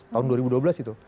tahun dua ribu dua belas itu